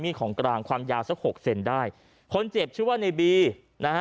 ของกลางความยาวสักหกเซนได้คนเจ็บชื่อว่าในบีนะฮะ